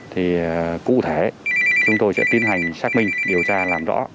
thì cụ thể chúng tôi sẽ tiến hành xác minh điều tra